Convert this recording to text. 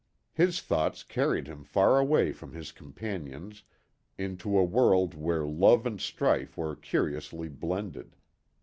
His thoughts carried him far away from his companions into a world where love and strife were curiously blended.